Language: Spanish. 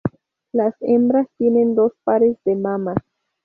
Las hembras tienen dos pares de mamas.